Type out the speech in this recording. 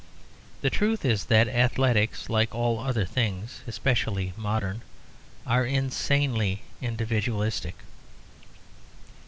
The truth is that athletics, like all other things, especially modern, are insanely individualistic.